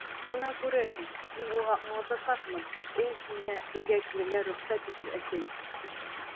Бына күрерһең, мин уға аңлатасаҡмын, ул һиңә беҙгә килергә рөхсәт итер, әсәй!